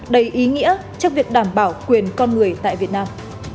đầy ý nghĩa trong việc đảm bảo quyền con người tại việt nam